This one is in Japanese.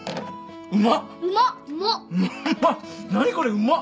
うまっ。